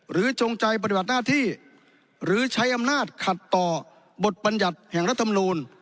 หรือจงใจปฏิบัติหน้าที่หรือใช้อำนาจขัดต่อบทปัญหัสแห่งรัฐทำรูล